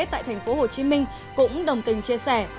tại tp hcm cũng đồng tình chia sẻ